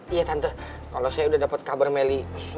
iya tante kalau saya udah dapat kabar meli di rumah saya jadi tenang tante